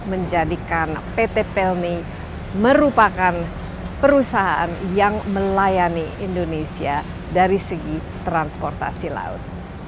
menjadikan pt pelni merupakan perusahaan yang melayani indonesia dari segi transportasi laut